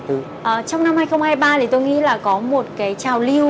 trong năm hai nghìn hai mươi ba thì tôi nghĩ là có một cái trào lưu